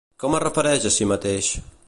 Com es refereix a si mateix?